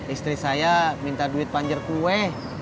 istri saya minta duit panjer kue